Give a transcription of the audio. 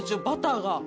バターが。